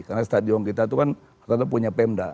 karena stadion kita itu kan tata punya pemda